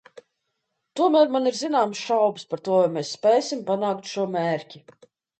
Tomēr man ir zināmas šaubas par to, vai mēs spēsim panākt šo mērķi.